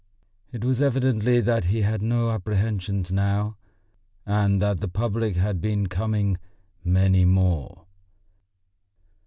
It was evidently that he had no apprehensions now, and that the public had been coming "many more."